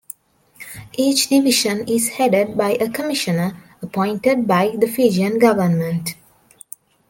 Each division is headed by a "Commissioner," appointed by the Fijian government.